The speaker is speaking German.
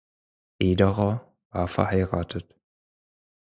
Ederer war verheiratet.